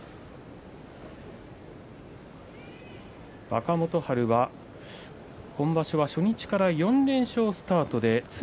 若元春は今場所は初日から４連勝スタートでした。